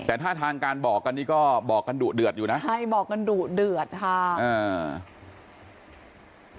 แต่ท่าทางการบอกกันนี่ก็บอกกันดุเดือดอยู่นะใช่บอกกันดุเดือดค่ะอ่า